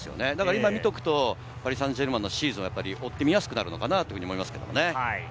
今見ておくとパリ・サンジェルマンのシーズンを追って見やすくなるのかなって思いますね。